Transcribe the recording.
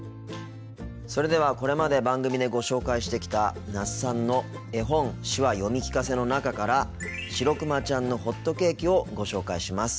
それではこれまで番組でご紹介してきた那須さんの「絵本手話読み聞かせ」の中から「しろくまちゃんのほっとけーき」をご紹介します。